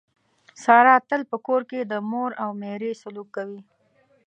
ساره تل په کور کې د مور او میرې سلوک کوي.